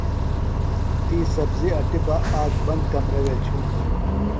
تی سبزیۡ اٹیۡ بہ آک بند کمرہ وے چُھوݨیۡ۔